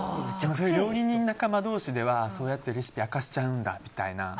料理人仲間同士ではそうやってレシピを明かしちゃうんだみたいな。